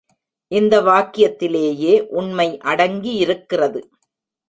இந்த வாக்கியத்திலேயே உண்மை அடங்கியிருக்கிறது.